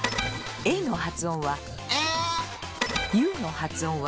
ｏの発音は。